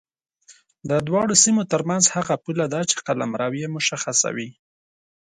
د دواړو سیمو ترمنځ هغه پوله ده چې قلمرو یې مشخصوي.